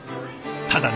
ただね